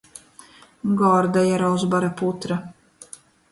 Gorda ir ozbora putra.